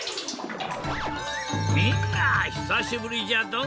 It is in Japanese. みんなひさしぶりじゃドン！